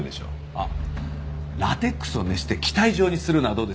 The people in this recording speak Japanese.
あっラテックスを熱して気体状にするのはどうです？